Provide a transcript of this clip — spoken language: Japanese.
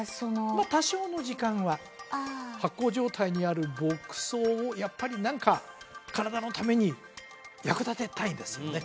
まあ多少の時間は発酵状態にある牧草をやっぱり何か体のために役立てたいですよね